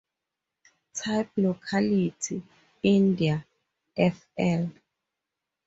Type locality: India, fl.